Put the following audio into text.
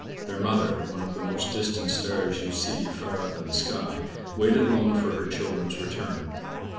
Their mother (one of the most distant stars you see far up in the sky) waited alone for her children's return.